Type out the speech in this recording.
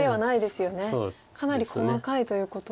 かなり細かいということで。